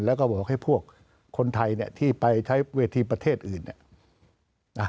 แล้วก็บอกให้พวกคนไทยที่ไปใช้เวทีประเทศอื่น